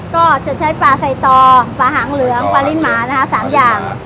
ก็จะใช้ปลาใส่ต่อปลาหางเหลืองปลาลิ้นหมานะคะ๓อย่าง